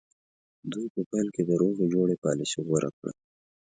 دوی په پیل کې د روغې جوړې پالیسي غوره کړه.